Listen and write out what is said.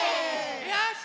よし！